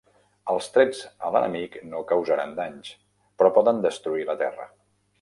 Els trets a l'enemic no causaran danys, però poden destruir la terra.